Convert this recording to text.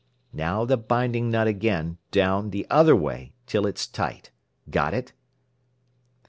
Now the binding nut again, down, the other way, till it's tight. Got it?